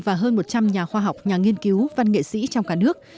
và hơn một trăm linh nhà khoa học nhà nghiên cứu văn nghệ sĩ trong cả nước